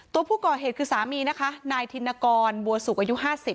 ตัวผู้ก่อเหตุคือสามีนะคะนายธินกรบัวสุกอายุ๕๐